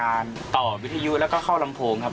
ไปทำงานต่อวิทยุแล้วก็เข้าลำโพงครับ